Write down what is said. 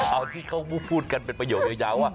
เอาที่เข้าพูดกันเป็นประโยชน์ยาว